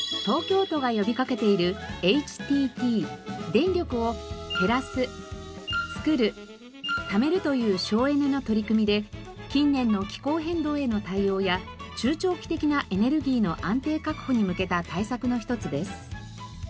電力を「へらすつくるためる」という省エネの取り組みで近年の気候変動への対応や中長期的なエネルギーの安定確保に向けた対策の１つです。